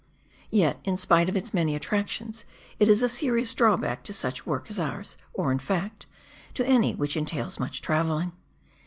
Yet, in spite of its many attractions, it is a serious drawback to such work as ours, or, in fact, to any which entails much travelling.